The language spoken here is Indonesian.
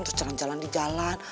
terus jalan jalan di jalan